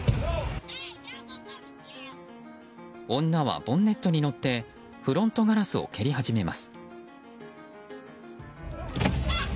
女はボンネットに乗ってフロントガラスを蹴り始めます。